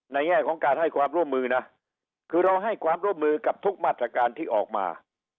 แง่ของการให้ความร่วมมือนะคือเราให้ความร่วมมือกับทุกมาตรการที่ออกมา